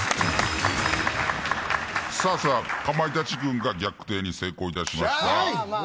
さあ、かまいたち軍が逆転に成功いたしました。